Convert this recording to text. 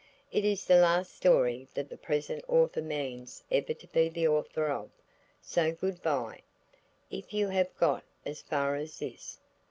It is the last story that the present author means ever to be the author of. So goodbye, if you have got as far as this.